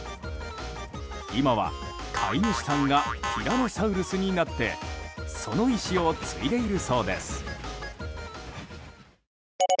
今は、飼い主さんがティラノサウルスになってその意思を継いでいるそうです。